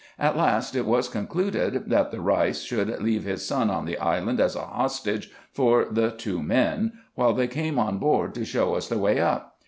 At last it was concluded, that the Eeis should leave his son on the island as a hostage for the two men, while they came on board, to show us the way up.